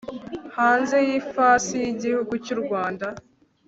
hanze y ifasi y Igihugu cy u Rwanda